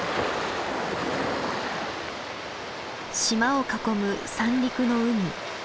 島を囲む三陸の海。